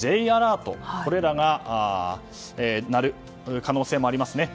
Ｊアラートが鳴る可能性もあります。